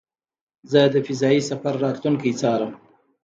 زه د فضایي سفر راتلونکی څارم.